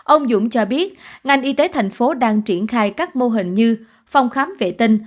ông dũng cho biết ngành y tế thành phố đang triển khai các mô hình như phòng khám vệ tinh